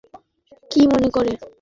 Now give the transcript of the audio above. এখানে কী মনে করে?